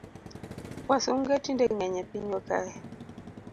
Wasunge tinde ngeny e pinywa kae